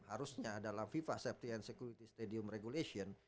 harusnya dalam viva safety and security stadium regulation